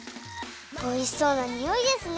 おいしそうなにおいですね！